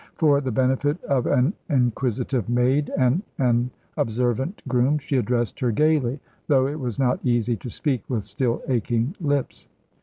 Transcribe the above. For the benefit of an inquisitive maid and an observant groom she addressed her gaily, though it was not easy to speak with still aching lips.